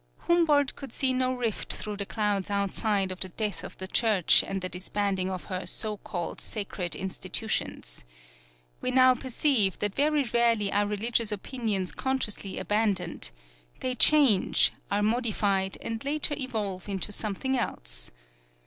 Humboldt could see no rift through the clouds outside of the death of the Church and the disbanding of her so called sacred institutions. We now perceive that very rarely are religious opinions consciously abandoned; they change, are modified and later evolve into something else.